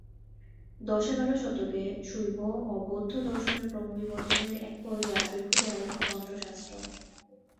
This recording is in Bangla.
দশ-এগারো শতকে শৈব ও বৌদ্ধ দর্শনের ক্রমবিবর্তনের এক পর্যায়ে আবির্ভূত হয় তন্ত্রশাস্ত্র।